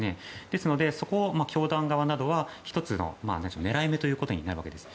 ですので、そこを教団側などは１つの狙い目ということになるんです。